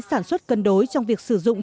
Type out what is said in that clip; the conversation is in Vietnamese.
sản xuất cân đối trong việc sử dụng